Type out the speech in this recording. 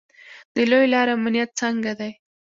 د لویو لارو امنیت څنګه دی؟